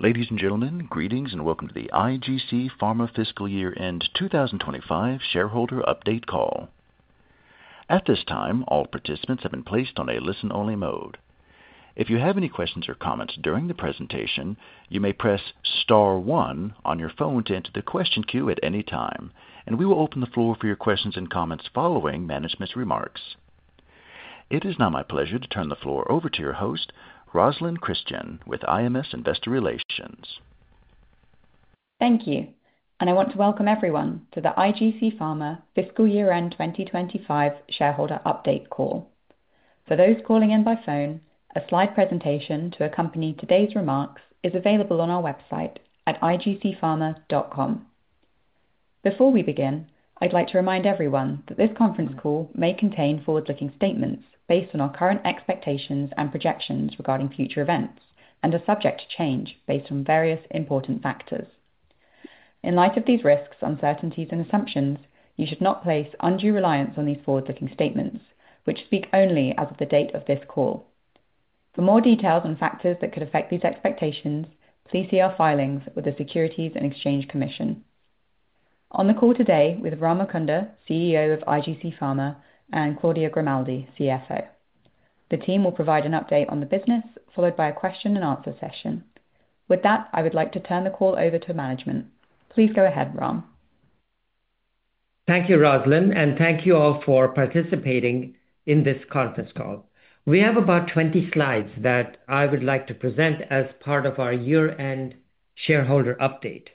Ladies and gentlemen, greetings and welcome to the IGC Pharma Fiscal Year End 2025 Shareholder Update Call. At this time, all participants have been placed on a listen-only mode. If you have any questions or comments during the presentation, you may press star one on your phone to enter the question queue at any time, and we will open the floor for your questions and comments following management's remarks. It is now my pleasure to turn the floor over to your host, Rosalyn Christian, with IMS Investor Relations. Thank you, and I want to welcome everyone to the IGC Pharma Fiscal Year End 2025 Shareholder Update Call. For those calling in by phone, a slide presentation to accompany today's remarks is available on our website at igcpharma.com. Before we begin, I'd like to remind everyone that this conference call may contain forward-looking statements based on our current expectations and projections regarding future events and are subject to change based on various important factors. In light of these risks, uncertainties, and assumptions, you should not place undue reliance on these forward-looking statements, which speak only as of the date of this call. For more details on factors that could affect these expectations, please see our filings with the Securities and Exchange Commission. On the call today with Ram Mukunda, CEO of IGC Pharma, and Claudia Grimaldi, CFO. The team will provide an update on the business, followed by a question-and-answer session. With that, I would like to turn the call over to management. Please go ahead, Ram. Thank you, Rosalyn, and thank you all for participating in this conference call. We have about 20 slides that I would like to present as part of our year-end shareholder update.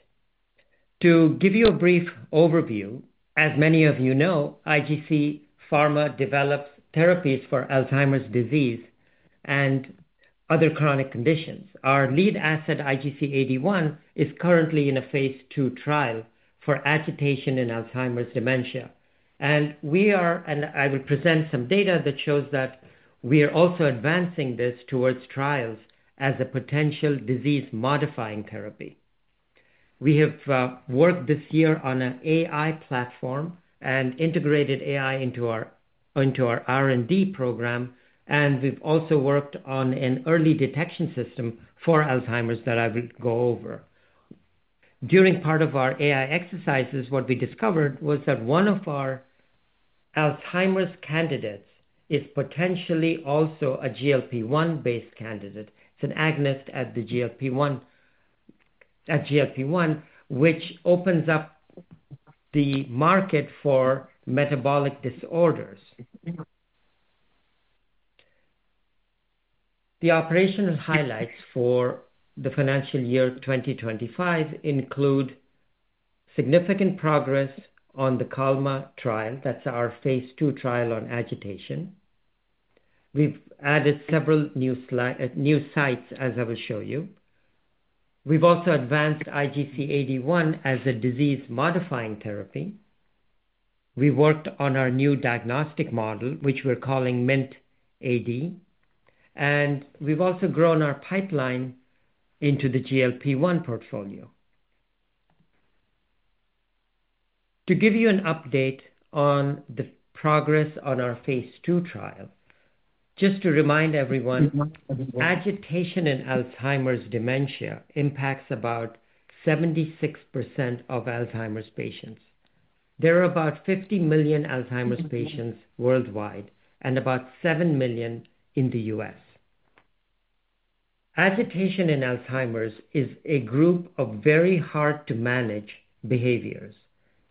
To give you a brief overview, as many of you know, IGC Pharma develops therapies for Alzheimer's disease and other chronic conditions. Our lead asset, IGC81, is currently in a phase II trial for agitation in Alzheimer's dementia, and I will present some data that shows that we are also advancing this towards trials as a potential disease-modifying therapy. We have worked this year on an AI platform and integrated AI into our R&D program, and we've also worked on an early detection system for Alzheimer's that I will go over. During part of our AI exercises, what we discovered was that one of our Alzheimer's candidates is potentially also a GLP-1-based candidate. It's an agonist at GLP-1, which opens up the market for metabolic disorders. The operational highlights for the financial year 2025 include significant progress on the Kalma trial. That's our phase II trial on agitation. We've added several new sites, as I will show you. We've also advanced IGC81 as a disease-modifying therapy. We worked on our new diagnostic model, which we're calling MINT-AD, and we've also grown our pipeline into the GLP-1 portfolio. To give you an update on the progress on our phase II trial, just to remind everyone, agitation in Alzheimer's dementia impacts about 76% of Alzheimer's patients. There are about 50 million Alzheimer's patients worldwide and about 7 million in the U.S. Agitation in Alzheimer's is a group of very hard-to-manage behaviors,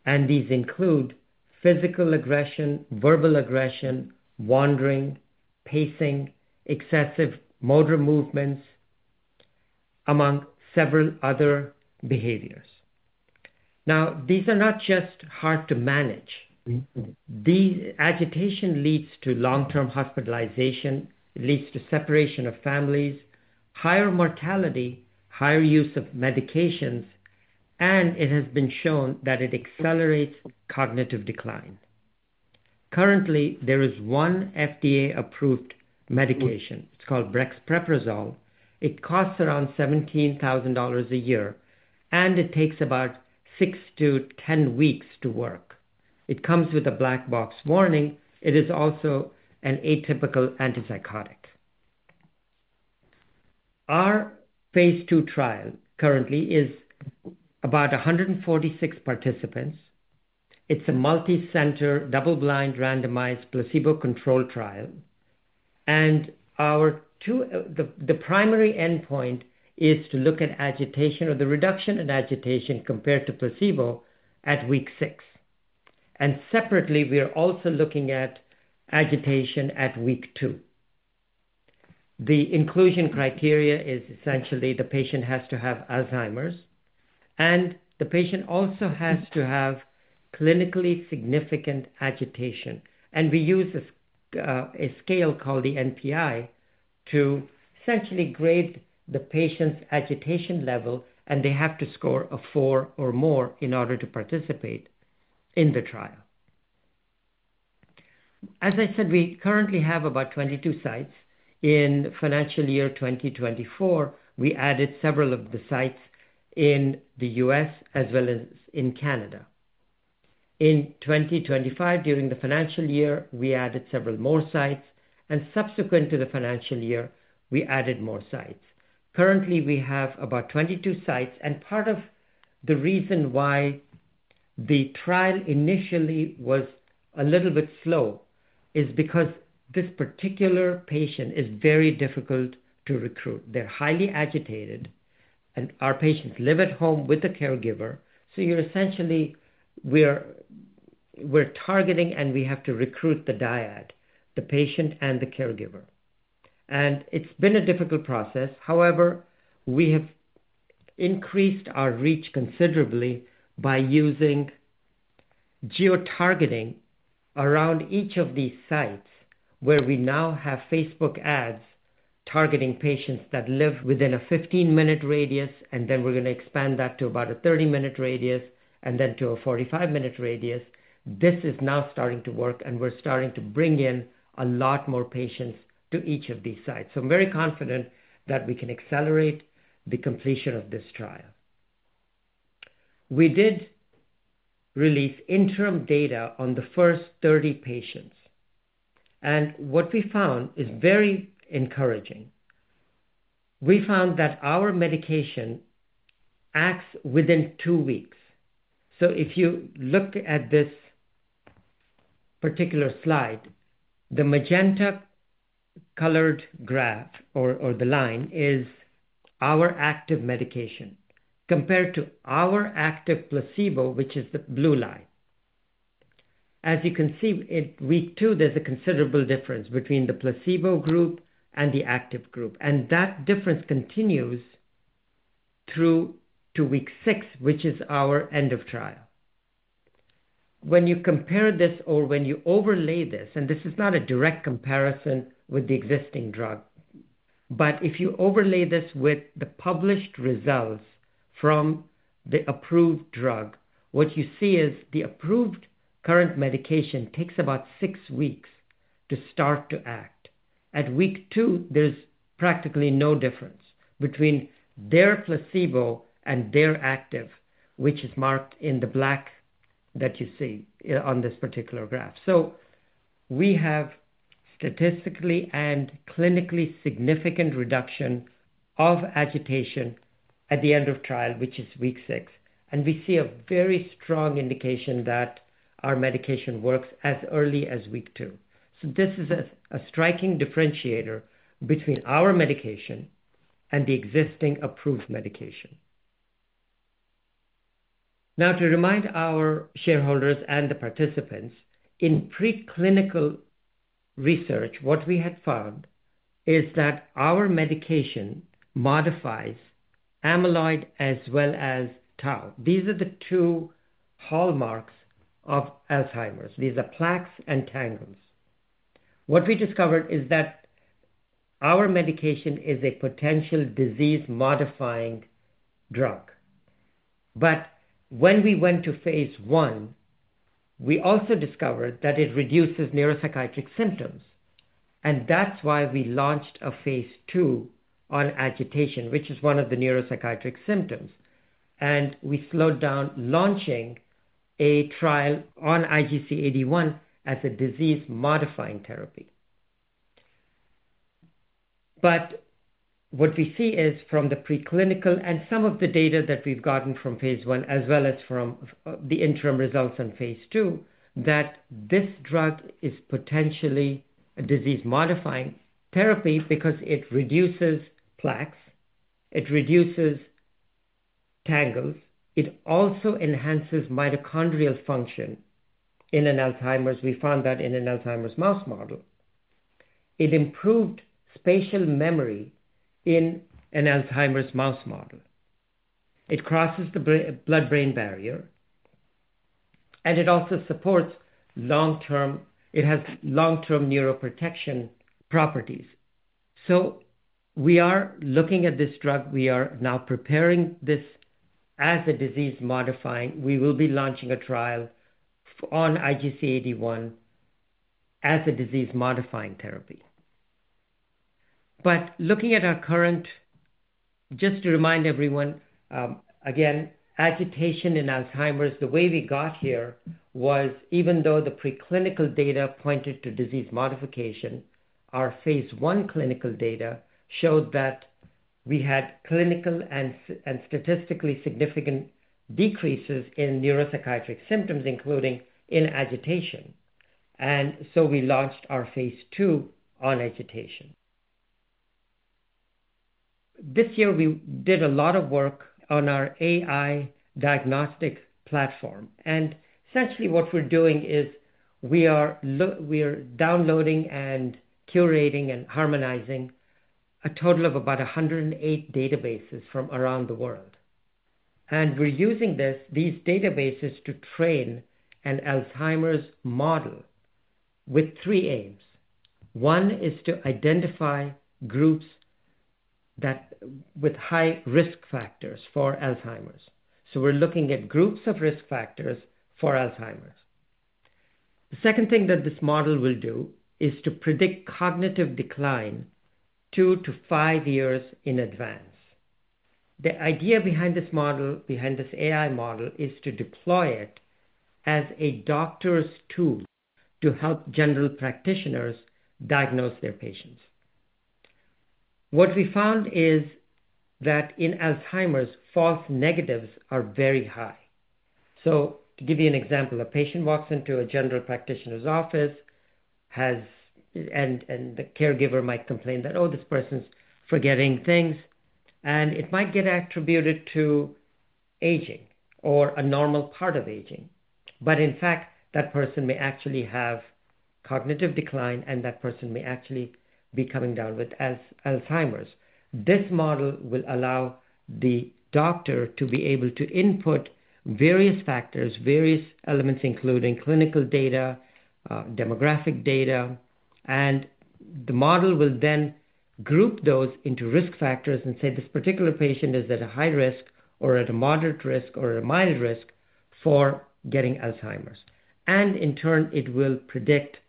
and these include physical aggression, verbal aggression, wandering, pacing, excessive motor movements, among several other behaviors. Now, these are not just hard to manage. Agitation leads to long-term hospitalization, leads to separation of families, higher mortality, higher use of medications, and it has been shown that it accelerates cognitive decline. Currently, there is one FDA-approved medication. It's called Brexpiprazole. It costs around $17,000 a year, and it takes about 6-10 weeks to work. It comes with a black box warning. It is also an atypical antipsychotic. Our phase II trial currently is about 146 participants. It's a multi-center, double-blind, randomized placebo-controlled trial, and the primary endpoint is to look at agitation or the reduction in agitation compared to placebo at week six. Separately, we are also looking at agitation at week two. The inclusion criteria is essentially the patient has to have Alzheimer's, and the patient also has to have clinically significant agitation. We use a scale called the NPI to essentially grade the patient's agitation level, and they have to score a four or more in order to participate in the trial. As I said, we currently have about 22 sites. In financial year 2024, we added several of the sites in the U.S. as well as in Canada. In 2025, during the financial year, we added several more sites, and subsequent to the financial year, we added more sites. Currently, we have about 22 sites, and part of the reason why the trial initially was a little bit slow is because this particular patient is very difficult to recruit. They're highly agitated, and our patients live at home with a caregiver, so essentially we're targeting and we have to recruit the dyad, the patient, and the caregiver. It's been a difficult process. However, we have increased our reach considerably by using geotargeting around each of these sites, where we now have Facebook ads targeting patients that live within a 15-minute radius, and then we are going to expand that to about a 30-minute radius and then to a 45-minute radius. This is now starting to work, and we are starting to bring in a lot more patients to each of these sites. I am very confident that we can accelerate the completion of this trial. We did release interim data on the first 30 patients, and what we found is very encouraging. We found that our medication acts within two weeks. If you look at this particular slide, the magenta-colored graph or the line is our active medication compared to our active placebo, which is the blue line. As you can see, in week two, there's a considerable difference between the placebo group and the active group, and that difference continues through to week six, which is our end of trial. When you compare this or when you overlay this, and this is not a direct comparison with the existing drug, but if you overlay this with the published results from the approved drug, what you see is the approved current medication takes about six weeks to start to act. At week two, there's practically no difference between their placebo and their active, which is marked in the black that you see on this particular graph. We have statistically and clinically significant reduction of agitation at the end of trial, which is week six, and we see a very strong indication that our medication works as early as week two. This is a striking differentiator between our medication and the existing approved medication. Now, to remind our shareholders and the participants, in preclinical research, what we had found is that our medication modifies amyloid as well as tau. These are the two hallmarks of Alzheimer's. These are plaques and tangles. What we discovered is that our medication is a potential disease-modifying drug. When we went to phase I, we also discovered that it reduces neuropsychiatric symptoms, and that's why we launched a phase II on agitation, which is one of the neuropsychiatric symptoms, and we slowed down launching a trial on IGC81 as a disease-modifying therapy. What we see is from the preclinical and some of the data that we've gotten from phase I, as well as from the interim results on phase II, that this drug is potentially a disease-modifying therapy because it reduces plaques, it reduces tangles, it also enhances mitochondrial function in an Alzheimer's. We found that in an Alzheimer's mouse model. It improved spatial memory in an Alzheimer's mouse model. It crosses the blood-brain barrier, and it also supports long-term, it has long-term neuroprotection properties. We are looking at this drug. We are now preparing this as a disease-modifying. We will be launching a trial on IGC81 as a disease-modifying therapy. Looking at our current, just to remind everyone, again, agitation in Alzheimer's, the way we got here was even though the preclinical data pointed to disease modification, our phase I clinical data showed that we had clinical and statistically significant decreases in neuropsychiatric symptoms, including in agitation. We launched our phase II on agitation. This year, we did a lot of work on our AI diagnostic platform, and essentially what we're doing is we are downloading, and curating, and harmonizing a total of about 108 databases from around the world. We're using these databases to train an Alzheimer's model with three aims. One is to identify groups with high risk factors for Alzheimer's. We're looking at groups of risk factors for Alzheimer's. The second thing that this model will do is to predict cognitive decline two to five years in advance. The idea behind this model, behind this AI model, is to deploy it as a doctor's tool to help general practitioners diagnose their patients. What we found is that in Alzheimer's, false negatives are very high. To give you an example, a patient walks into a general practitioner's office, and the caregiver might complain that, "Oh, this person's forgetting things," and it might get attributed to aging or a normal part of aging. In fact, that person may actually have cognitive decline, and that person may actually be coming down with Alzheimer's. This model will allow the doctor to be able to input various factors, various elements, including clinical data, demographic data, and the model will then group those into risk factors and say, "This particular patient is at a high risk or at a moderate risk or at a mild risk for getting Alzheimer's." It will predict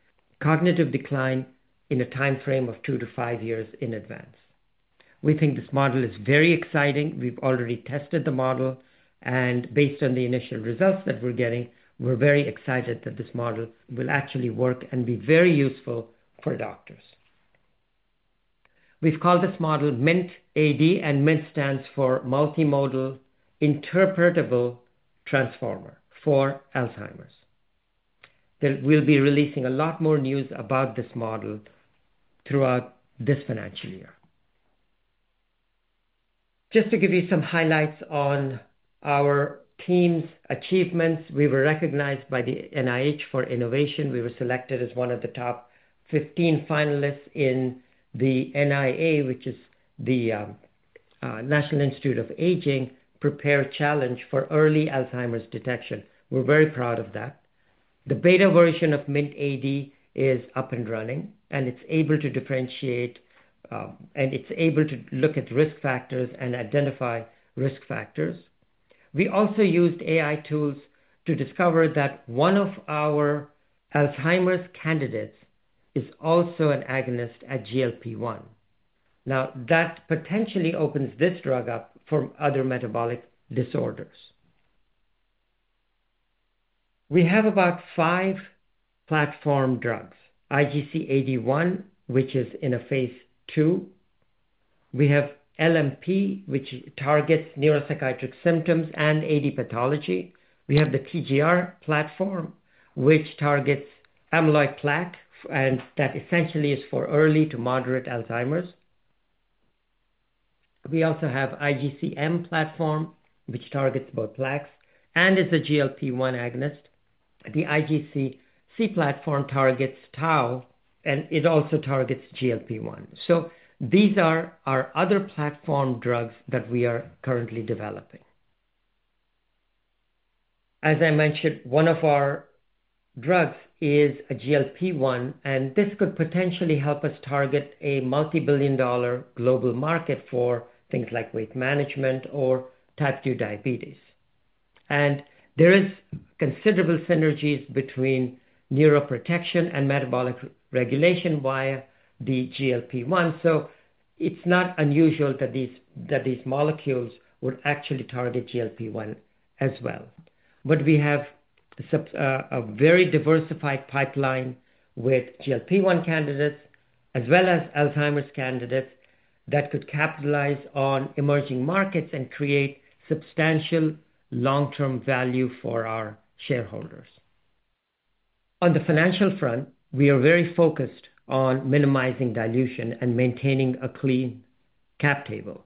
cognitive decline in a timeframe of two to five years in advance. We think this model is very exciting. We've already tested the model, and based on the initial results that we're getting, we're very excited that this model will actually work and be very useful for doctors. We've called this model MINT-AD, and MINT stands for Multimodal Interpretable Transformer for Alzheimer's. We'll be releasing a lot more news about this model throughout this financial year. Just to give you some highlights on our team's achievements, we were recognized by the NIH for innovation. We were selected as one of the top 15 finalists in the NIA, which is the National Institute on Aging Prepare Challenge for Early Alzheimer's Detection. We're very proud of that. The beta version of MINT-AD is up and running, and it's able to differentiate, and it's able to look at risk factors and identify risk factors. We also used AI tools to discover that one of our Alzheimer's candidates is also an agonist at GLP-1. Now, that potentially opens this drug up for other metabolic disorders. We have about five platform drugs: IGC81, which is in a phase II. We have LMP, which targets neuropsychiatric symptoms and AD pathology. We have the TGR platform, which targets amyloid plaque, and that essentially is for early to moderate Alzheimer's. We also have IGCM platform, which targets both plaques and is a GLP-1 agonist. The IGCC platform targets tau, and it also targets GLP-1. These are our other platform drugs that we are currently developing. As I mentioned, one of our drugs is a GLP-1, and this could potentially help us target a multi-billion dollar global market for things like weight management or type 2 diabetes. There are considerable synergies between neuroprotection and metabolic regulation via the GLP-1, so it is not unusual that these molecules would actually target GLP-1 as well. We have a very diversified pipeline with GLP-1 candidates as well as Alzheimer's candidates that could capitalize on emerging markets and create substantial long-term value for our shareholders. On the financial front, we are very focused on minimizing dilution and maintaining a clean cap table.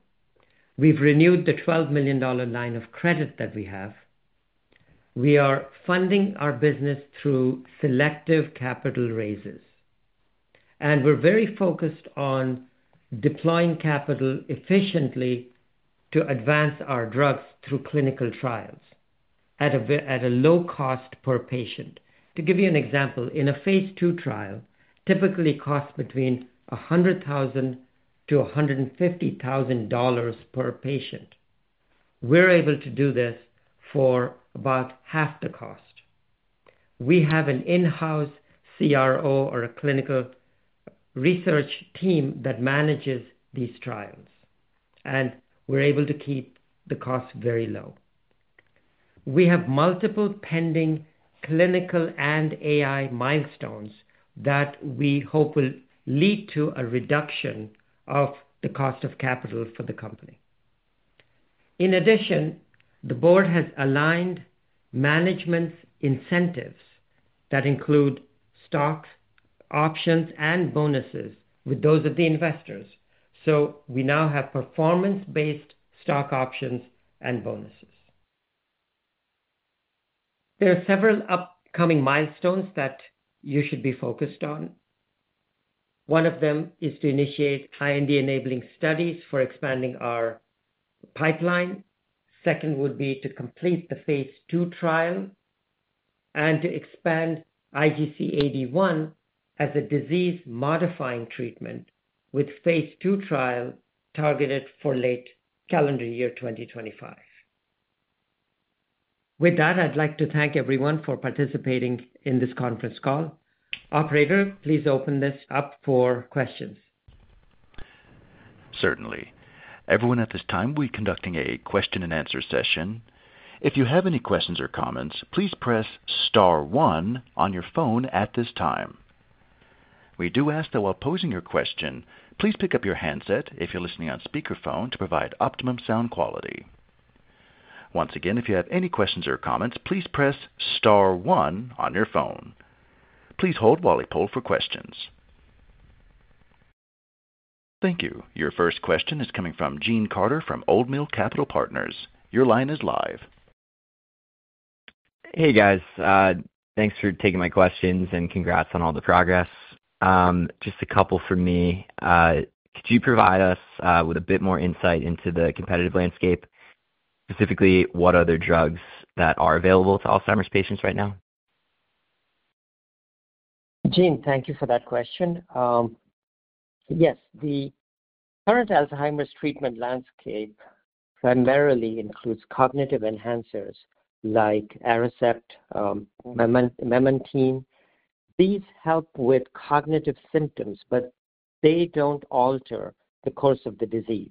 We have renewed the $12 million line of credit that we have. We are funding our business through selective capital raises, and we're very focused on deploying capital efficiently to advance our drugs through clinical trials at a low cost per patient. To give you an example, in a phase II trial, typically costs between $100,000-$150,000 per patient. We're able to do this for about half the cost. We have an in-house CRO or a clinical research team that manages these trials, and we're able to keep the cost very low. We have multiple pending clinical and AI milestones that we hope will lead to a reduction of the cost of capital for the company. In addition, the board has aligned management's incentives that include stocks, options, and bonuses with those of the investors. We now have performance-based stock options and bonuses. There are several upcoming milestones that you should be focused on. One of them is to initiate high-end enabling studies for expanding our pipeline. Second would be to complete the phase II trial and to expand IGC81 as a disease-modifying treatment with phase II trial targeted for late calendar year 2025. With that, I'd like to thank everyone for participating in this conference call. Operator, please open this up for questions. Certainly. Everyone at this time, we're conducting a question-and-answer session. If you have any questions or comments, please press star one on your phone at this time. We do ask that while posing your question, please pick up your handset if you're listening on speakerphone to provide optimum sound quality. Once again, if you have any questions or comments, please press star one on your phone. Please hold while we pull for questions. Thank you. Your first question is coming from Gene Carter from Old Mill Capital Partners. Your line is live. Hey, guys. Thanks for taking my questions and congrats on all the progress. Just a couple for me. Could you provide us with a bit more insight into the competitive landscape, specifically what other drugs that are available to Alzheimer's patients right now? Gene, thank you for that question. Yes, the current Alzheimer's treatment landscape primarily includes cognitive enhancers like Aricept, Memantine. These help with cognitive symptoms, but they don't alter the course of the disease.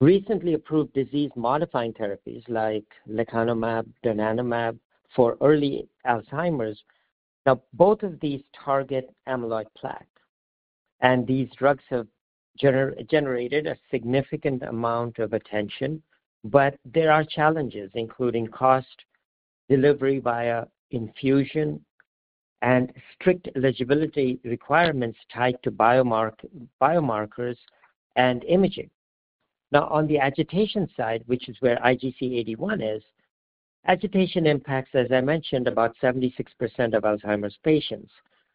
Recently approved disease-modifying therapies like lecanemab, donanemab for early Alzheimer's, now both of these target amyloid plaque. These drugs have generated a significant amount of attention, but there are challenges, including cost, delivery via infusion, and strict eligibility requirements tied to biomarkers and imaging. Now, on the agitation side, which is where IGC81 is, agitation impacts, as I mentioned, about 76% of Alzheimer's patients.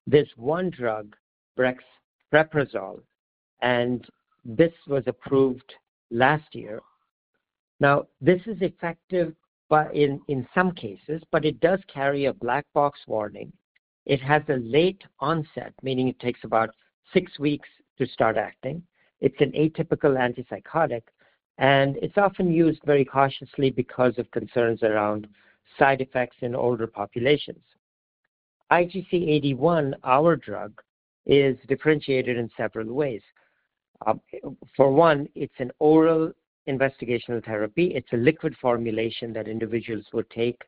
There's one drug, Brexpiprazole, and this was approved last year. Now, this is effective in some cases, but it does carry a black box warning. It has a late onset, meaning it takes about six weeks to start acting. It's an atypical antipsychotic, and it's often used very cautiously because of concerns around side effects in older populations. IGC81, our drug, is differentiated in several ways. For one, it's an oral investigational therapy. It's a liquid formulation that individuals would take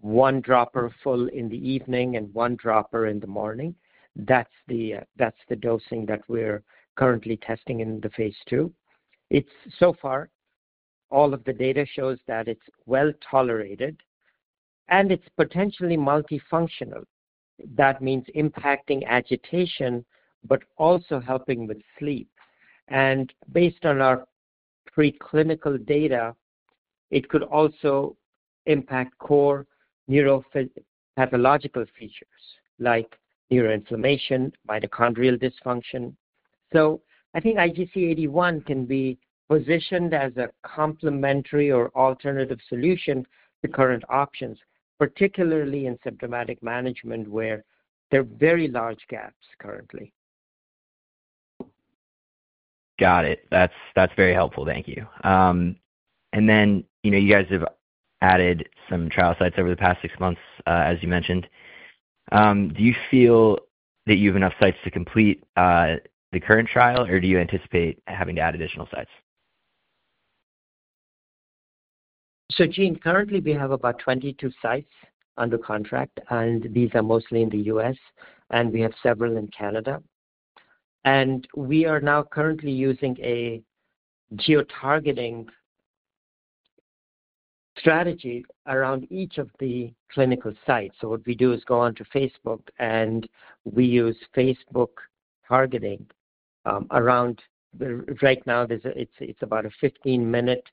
one dropper full in the evening and one dropper in the morning. That's the dosing that we're currently testing in the phase II. So far, all of the data shows that it's well tolerated, and it's potentially multifunctional. That means impacting agitation, but also helping with sleep. And based on our preclinical data, it could also impact core neuropathological features like neuroinflammation, mitochondrial dysfunction. I think IGC81 can be positioned as a complementary or alternative solution to current options, particularly in symptomatic management, where there are very large gaps currently. Got it. That's very helpful. Thank you. You guys have added some trial sites over the past six months, as you mentioned. Do you feel that you have enough sites to complete the current trial, or do you anticipate having to add additional sites? Gene, currently, we have about 22 sites under contract, and these are mostly in the U.S., and we have several in Canada. We are now currently using a geotargeting strategy around each of the clinical sites. What we do is go on to Facebook, and we use Facebook targeting around, right now, it's about a 15-minute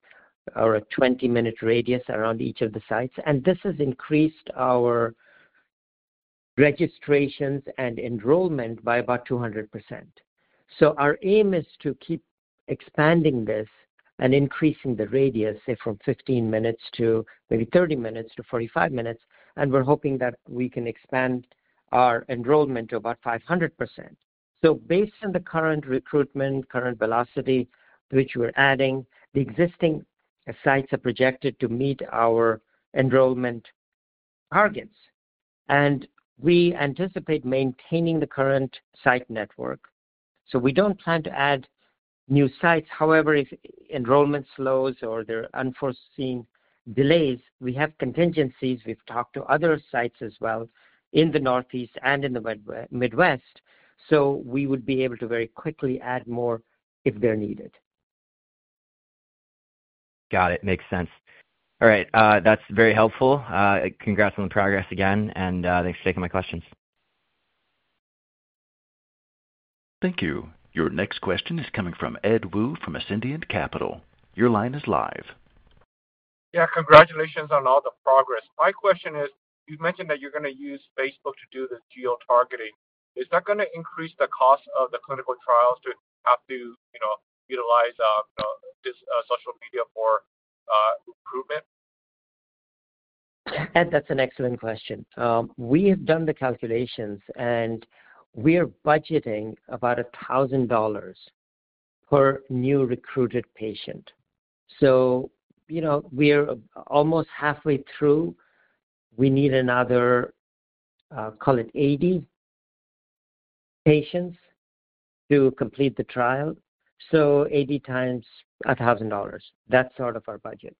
or a 20-minute radius around each of the sites. This has increased our registrations and enrollment by about 200%. Our aim is to keep expanding this and increasing the radius, say, from 15 minutes to maybe 30 minutes to 45 minutes. We are hoping that we can expand our enrollment to about 500%. Based on the current recruitment, current velocity, which we are adding, the existing sites are projected to meet our enrollment targets. We anticipate maintaining the current site network. We do not plan to add new sites. However, if enrollment slows or there are unforeseen delays, we have contingencies. We have talked to other sites as well in the northeast and in the Midwest. We would be able to very quickly add more if they are needed. Got it. Makes sense. All right. That is very helpful. Congrats on the progress again, and thanks for taking my questions. Thank you. Your next question is coming from Ed Woo from Ascendient Capital. Your line is live. Yeah. Congratulations on all the progress. My question is, you mentioned that you're going to use Facebook to do the geotargeting. Is that going to increase the cost of the clinical trials to have to utilize this social media for recruitment? Ed, that's an excellent question. We have done the calculations, and we are budgeting about $1,000 per new recruited patient. So we're almost halfway through. We need another, call it 80 patients to complete the trial. So 80 x $1,000. That's sort of our budget.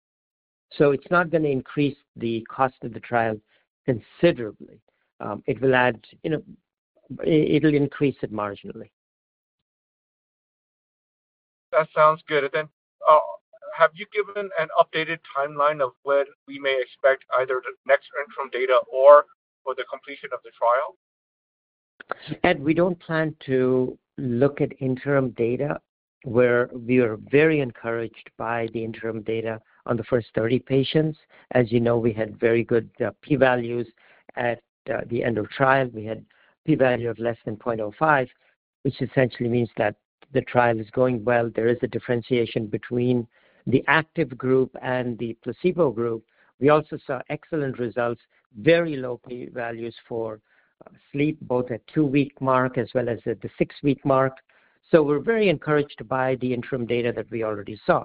It is not going to increase the cost of the trial considerably. It will add, it'll increase it marginally. That sounds good. Have you given an updated timeline of when we may expect either the next interim data or for the completion of the trial? Ed, we do not plan to look at interim data, where we are very encouraged by the interim data on the first 30 patients. As you know, we had very good P-values at the end of trial. We had P-value of less than 0.05, which essentially means that the trial is going well. There is a differentiation between the active group and the placebo group. We also saw excellent results, very low P-values for sleep, both at two-week mark as well as at the six-week mark. We are very encouraged by the interim data that we already saw.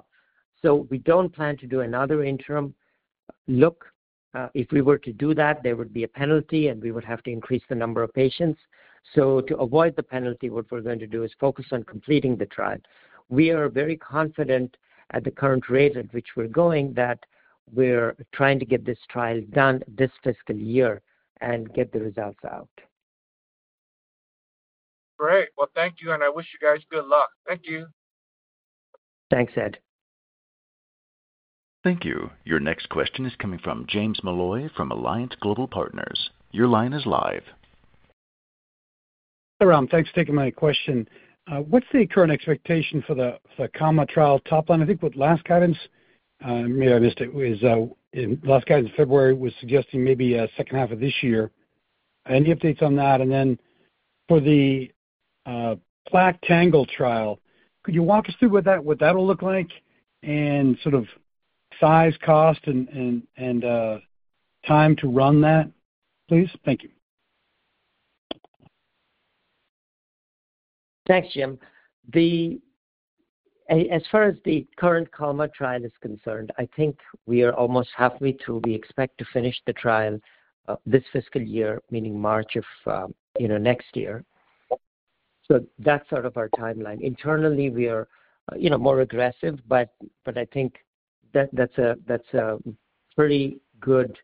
We do not plan to do another interim look. If we were to do that, there would be a penalty, and we would have to increase the number of patients. To avoid the penalty, what we are going to do is focus on completing the trial. We are very confident at the current rate at which we're going that we're trying to get this trial done this fiscal year and get the results out. Great. Thank you, and I wish you guys good luck. Thank you. Thanks, Ed. Thank you. Your next question is coming from James Molloy from Alliant Global Partners. Your line is live. Hey, Ram. Thanks for taking my question. What's the current expectation for the Kalma trial top line? I think with last guidance, maybe I missed it, was last guidance in February was suggesting maybe second half of this year. Any updates on that? And then for the plaque tangle trial, could you walk us through what that will look like and sort of size, cost, and time to run that, please? Thank you. Thanks, Jim. As far as the current Kalma trial is concerned, I think we are almost halfway to—we expect to finish the trial this fiscal year, meaning March of next year. That is sort of our timeline. Internally, we are more aggressive, but I think that is a pretty good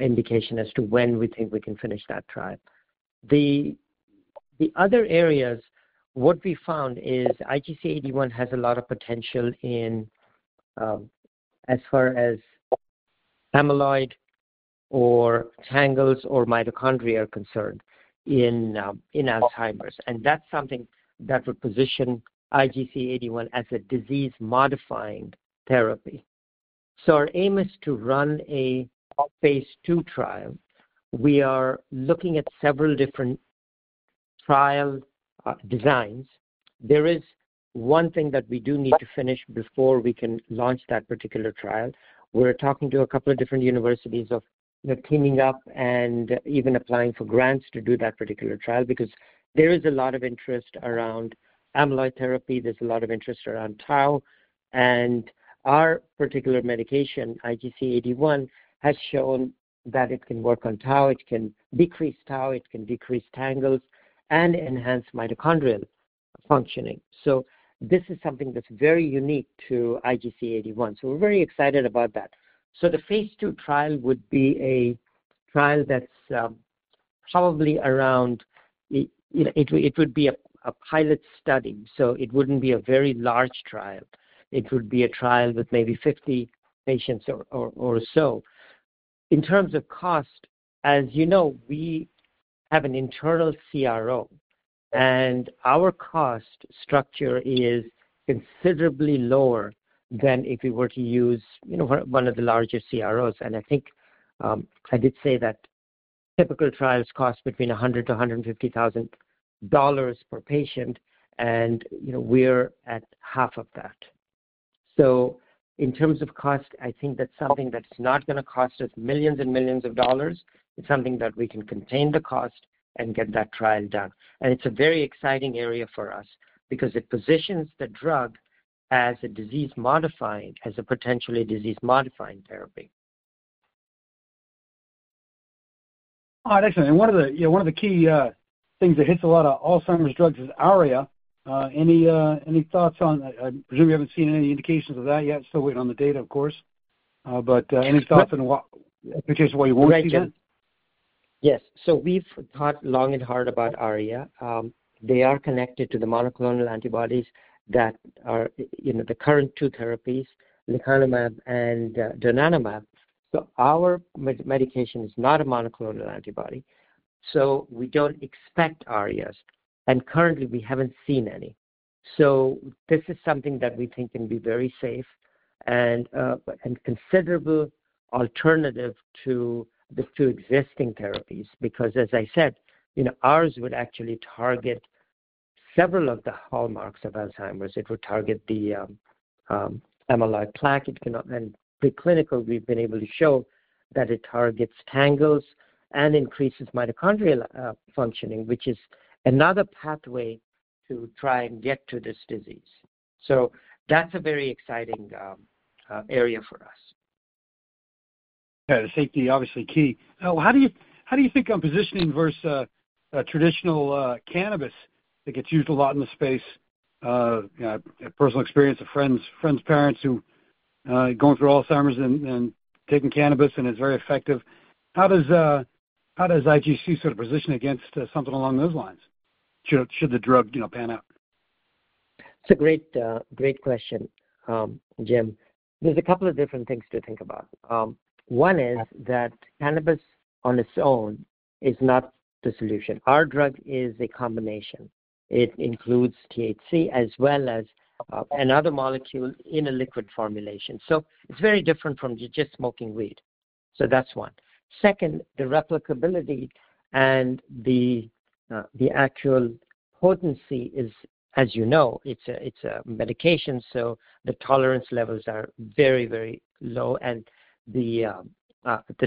indication as to when we think we can finish that trial. The other areas, what we found is IGC81 has a lot of potential as far as amyloid or tangles or mitochondria are concerned in Alzheimer's. That is something that would position IGC81 as a disease-modifying therapy. Our aim is to run a phase II trial. We are looking at several different trial designs. There is one thing that we do need to finish before we can launch that particular trial. We're talking to a couple of different universities of teaming up and even applying for grants to do that particular trial because there is a lot of interest around amyloid therapy. There's a lot of interest around tau. And our particular medication, IGC81, has shown that it can work on tau. It can decrease tau. It can decrease tangles and enhance mitochondrial functioning. This is something that's very unique to IGC81. We're very excited about that. The phase II trial would be a trial that's probably around—it would be a pilot study. It wouldn't be a very large trial. It would be a trial with maybe 50 patients or so. In terms of cost, as you know, we have an internal CRO, and our cost structure is considerably lower than if we were to use one of the larger CROs. I think I did say that typical trials cost between $100,000-$150,000 per patient, and we're at half of that. In terms of cost, I think that's something that's not going to cost us millions and millions of dollars. It's something that we can contain the cost and get that trial done. It's a very exciting area for us because it positions the drug as a disease-modifying, as a potentially disease-modifying therapy. All right. Excellent. One of the key things that hits a lot of Alzheimer's drugs is ARIA. Any thoughts on—I presume you haven't seen any indications of that yet. Still waiting on the data, of course. Any thoughts on what you want to see there? Yes. We've talked long and hard about ARIA. They are connected to the monoclonal antibodies that are the current two therapies, lecanemab and donanemab. Our medication is not a monoclonal antibody. We do not expect ARIAs, and currently, we have not seen any. This is something that we think can be very safe and a considerable alternative to the two existing therapies because, as I said, ours would actually target several of the hallmarks of Alzheimer's. It would target the amyloid plaque, and preclinically, we have been able to show that it targets tangles and increases mitochondrial functioning, which is another pathway to try and get to this disease. That is a very exciting area for us. The safety, obviously, key. How do you think I am positioning versus traditional cannabis that gets used a lot in the space? Personal experience of friends, friends' parents who are going through Alzheimer's and taking cannabis, and it is very effective, how does IGC sort of position against something along those lines? Should the drug pan out? It's a great question, Jim. There's a couple of different things to think about. One is that cannabis on its own is not the solution. Our drug is a combination. It includes THC as well as another molecule in a liquid formulation. It is very different from just smoking weed. That is one. Second, the replicability and the actual potency is, as you know, it's a medication. The tolerance levels are very, very low. The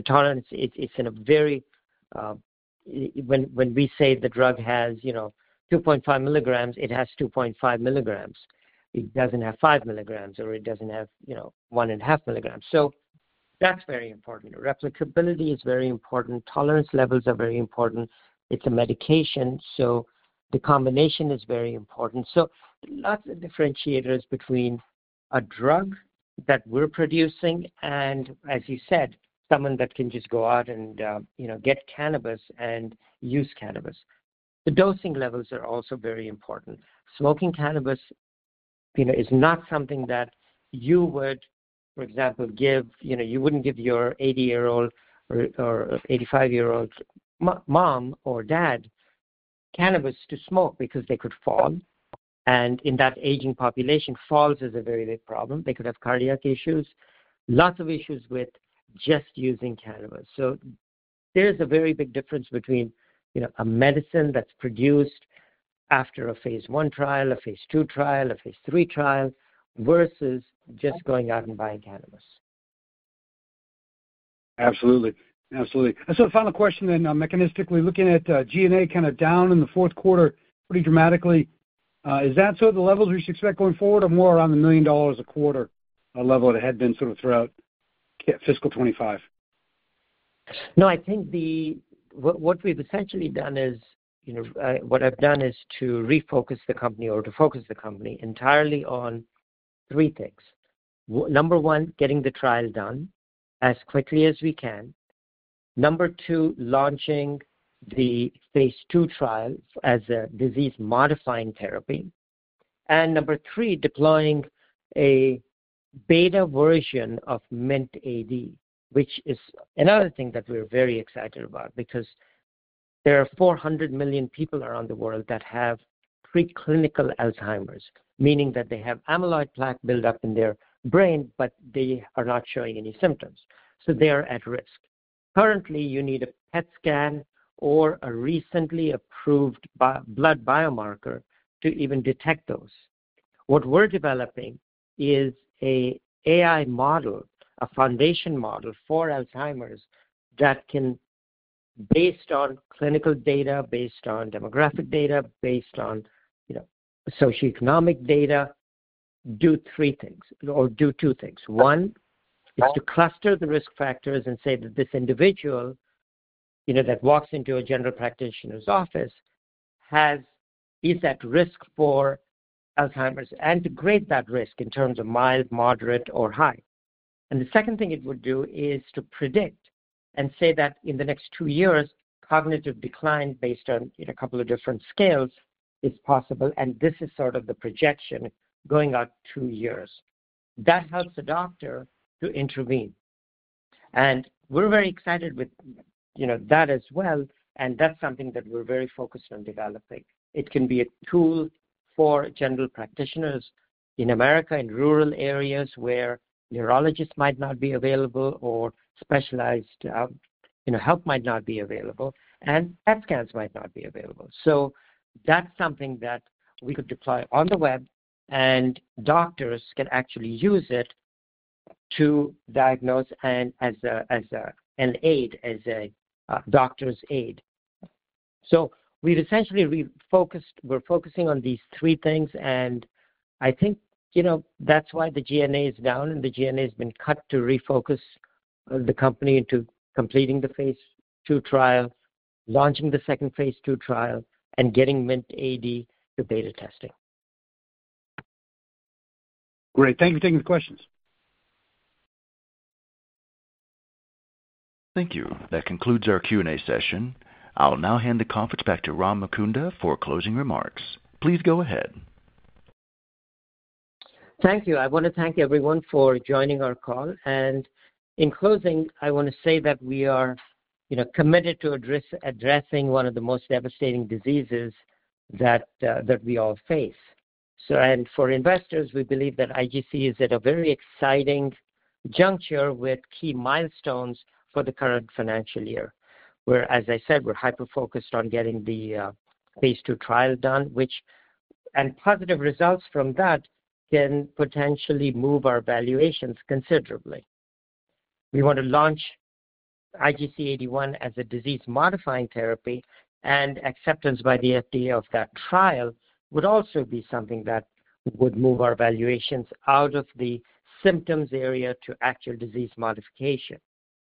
tolerance, it's in a very—when we say the drug has 2.5 milligrams, it has 2.5 milligrams. It does not have 5 milligrams, or it does not have 1.5 milligrams. That is very important. Replicability is very important. Tolerance levels are very important. It is a medication. The combination is very important. Lots of differentiators between a drug that we are producing and, as you said, someone that can just go out and get cannabis and use cannabis. The dosing levels are also very important. Smoking cannabis is not something that you would, for example, give—you would not give your 80-year-old or 85-year-old mom or dad cannabis to smoke because they could fall. In that aging population, falls is a very big problem. They could have cardiac issues, lots of issues with just using cannabis. There is a very big difference between a medicine that is produced after a phase I trial, a phase II trial, a phase III trial versus just going out and buying cannabis. Absolutely. Absolutely. Final question then, mechanistically, looking at G&A kind of down in the fourth quarter pretty dramatically. Is that sort of the levels we should expect going forward or more around the $1 million a quarter level that had been sort of throughout fiscal 2025? No, I think what we've essentially done is what I've done is to refocus the company or to focus the company entirely on three things. Number one, getting the trial done as quickly as we can. Number two, launching the phase II trial as a disease-modifying therapy. Number three, deploying a beta version of MINT-AD, which is another thing that we're very excited about because there are 400 million people around the world that have preclinical Alzheimer's, meaning that they have amyloid plaque buildup in their brain, but they are not showing any symptoms. They are at risk. Currently, you need a PET scan or a recently approved blood biomarker to even detect those. What we're developing is an AI model, a foundation model for Alzheimer's that can, based on clinical data, based on demographic data, based on socioeconomic data, do three things or do two things. One is to cluster the risk factors and say that this individual that walks into a general practitioner's office is at risk for Alzheimer's and to grade that risk in terms of mild, moderate, or high. The second thing it would do is to predict and say that in the next two years, cognitive decline based on a couple of different scales is possible. This is sort of the projection going out two years. That helps a doctor to intervene. We're very excited with that as well. That's something that we're very focused on developing. It can be a tool for general practitioners in America in rural areas where neurologists might not be available or specialized help might not be available, and PET scans might not be available. That is something that we could deploy on the web, and doctors can actually use it to diagnose and as an aid, as a doctor's aid. We have essentially refocused; we are focusing on these three things. I think that is why the G&A is down, and the G&A has been cut to refocus the company into completing the phase II trial, launching the second phase II trial, and getting MINT-AD to beta testing. Great. Thank you for taking the questions. Thank you. That concludes our Q&A session. I will now hand the conference back to Ram Mukunda for closing remarks. Please go ahead. Thank you. I want to thank everyone for joining our call. In closing, I want to say that we are committed to addressing one of the most devastating diseases that we all face. For investors, we believe that IGC is at a very exciting juncture with key milestones for the current financial year, where, as I said, we're hyper-focused on getting the phase II trial done, and positive results from that can potentially move our valuations considerably. We want to launch IGC81 as a disease-modifying therapy, and acceptance by the FDA of that trial would also be something that would move our valuations out of the symptoms area to actual disease modification,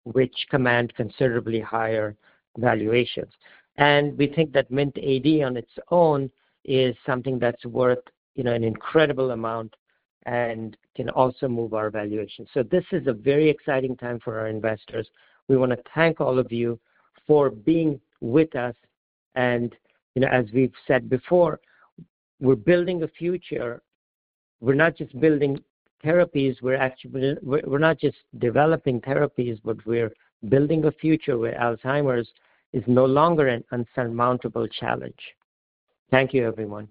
which commands considerably higher valuations. We think that MINT-AD on its own is something that's worth an incredible amount and can also move our valuations. This is a very exciting time for our investors. We want to thank all of you for being with us. As we have said before, we are building a future. We are not just building therapies. We are not just developing therapies, but we are building a future where Alzheimer's is no longer an insurmountable challenge. Thank you, everyone.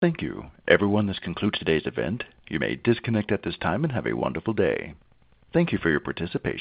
Thank you. Everyone, this concludes today's event. You may disconnect at this time and have a wonderful day. Thank you for your participation.